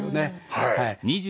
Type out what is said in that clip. はい。